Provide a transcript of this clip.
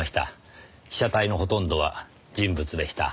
被写体のほとんどは人物でした。